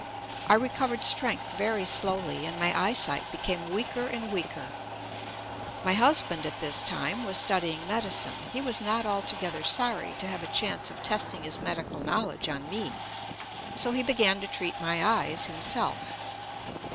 I recovered strength very slowly, and my eyesight became weaker and weaker. My husband at this time was studying medicine. He was not altogether sorry to have a chance of testing his medical knowledge on me. So he began to treat my eyes himself.